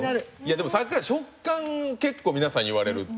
でもさっきから食感を結構皆さん言われるっていう。